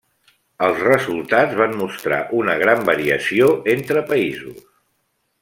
Els resultats van mostrar una gran variació entre països.